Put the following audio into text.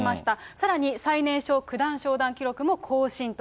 さらに最年少九段昇段記録も更新と。